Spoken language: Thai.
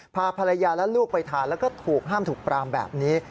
พาภรรยาและลูกไปทานแล้วก็ถูกห้ามถูกปรามแบบนี้